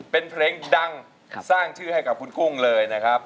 เป็นเพลงดังสร้างชื่อให้กับคุณกุ้งเลยนะครับ